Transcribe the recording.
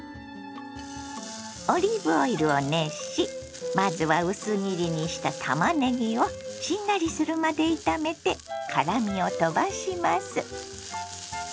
オリーブオイルを熱しまずは薄切りにしたたまねぎをしんなりするまで炒めて辛みを飛ばします。